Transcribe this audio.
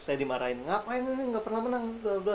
saya dimarahin ngapain ini nggak pernah menang